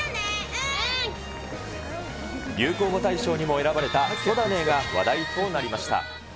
流行語大賞にも選ばれたそだねーが話題となりました。